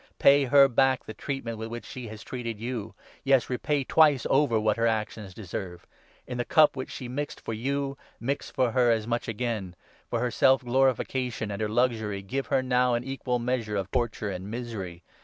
Pay her back the treatment with which 6 she has treated you ; yes, repay twice over what her actions deserve ; in the cup which she mixed for you, mix for her as much again ; for her self glorification and her luxury, give her 7 now an equal measure of torture and misery.